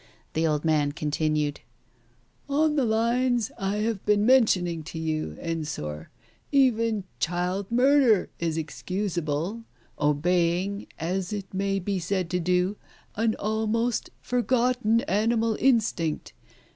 The old man continued — "On the lines I have been mentioning to you, Ensor, even child murder is excusable, obeying, as it may be said to do, an almost forgotten animal instinct.